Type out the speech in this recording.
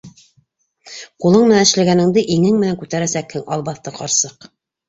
Ҡулың менән эшләгәнде иңең менән күтәрәсәкһең, албаҫты ҡарсыҡ!